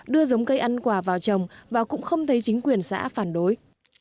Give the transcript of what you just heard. đưa giống cây ăn quả vào trồng và cũng không thấy chính quyền xã phản đối